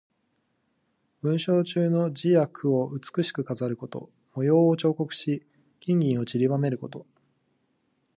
文章中の字や句を美しく飾ること。模様を彫刻し、金銀をちりばめること。